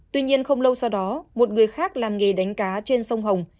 tuy nhiên không lâu sau đó một người khác làm nghề đánh cá trên sông hồng